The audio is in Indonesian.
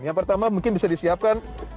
yang pertama mungkin bisa disiapkan